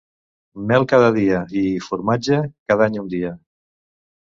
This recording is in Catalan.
Mel cada dia, i, formatge, cada any un dia.